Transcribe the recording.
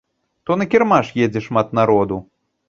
То на кірмаш едзе шмат народу.